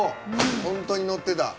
本当にのってた。